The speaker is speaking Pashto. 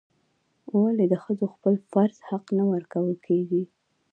ولې د ښځو خپل فرض حق نه ورکول کیږي؟